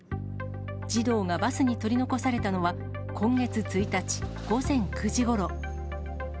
児童がバスに取り残されたのは、今月１日午前９時ごろ。